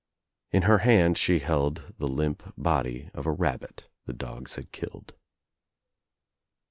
In her hand she held the limp body of a rabbit the dogs had killed.